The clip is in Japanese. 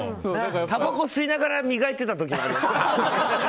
たばこ吸いながら磨いていた時もあります。